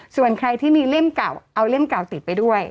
ส่วนใครที่มีเล่มเก่าเอาเล่มเก่าติดไปด้วย